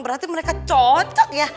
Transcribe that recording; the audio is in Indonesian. berarti mereka cocok ya